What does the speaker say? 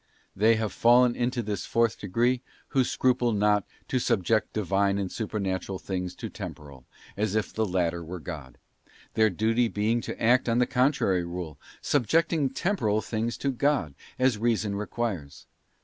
'They have fallen into Spiritua '218 fourth degree who scruple not to subject Divine and apeniy Supernatural things to temporal, as if the latter were God; their duty being to act on the contrary rule, subjecting tem poral things to God, as Reason requires.